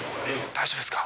大丈夫ですか？